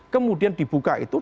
kemudian dibuka itu